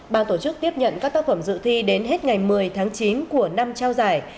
ban tổ chức tiếp nhận các tác phẩm dự thi đến hết ngày một mươi tháng chín của năm trao giải